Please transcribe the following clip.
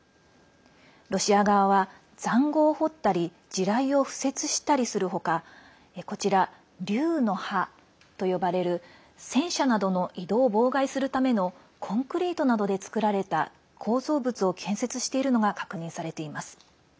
ロシア側は、ざんごうを掘ったり地雷を敷設したりする他こちら、竜の歯と呼ばれる戦車などの移動を妨害するためのコンクリートなどで造られた構造物を建設しているのが確認されています。